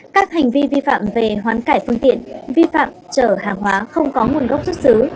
các hành vi vi phạm về hoán cải phương tiện vi phạm chở hàng hóa không có nguồn gốc xuất xứ